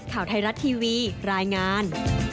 ข่าวไทยรัฐทีวีรายงาน